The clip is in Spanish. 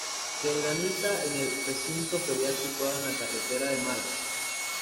Se organiza en el recinto ferial situado en la Carretera de Málaga.